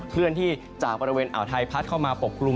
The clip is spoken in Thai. เคลื่อนที่จากบริเวณอ่าวไทยพัดเข้ามาปกกลุ่ม